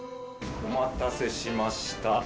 お待たせしました。